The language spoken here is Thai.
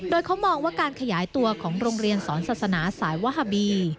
โดยเขามองว่าการขยายตัวของโรงเรียนสอนศาสนาสายวฮาบี